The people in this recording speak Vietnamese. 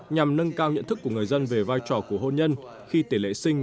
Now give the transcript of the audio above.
nhằm nâng cao nhận thức của người dân về vai trò của hôn nhân khi tỷ lệ sinh